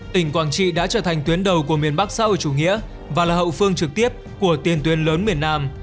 tỉnh quảng trị đã trở thành tuyến đầu của miền bắc xã hội chủ nghĩa và là hậu phương trực tiếp của tiền tuyến lớn miền nam